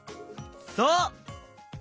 そう！